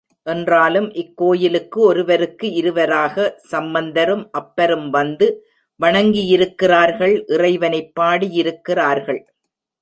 என்றாலும் இக்கோயிலுக்கு ஒருவருக்கு இருவராக, சம்பந்தரும், அப்பரும் வந்து வணங்கியிருக்கிறார்கள் இறைவனைப் பாடியிருக்கிறார்கள்.